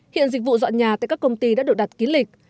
hiện dịch vụ dọn nhà tại các công ty đã được đặt ký lịch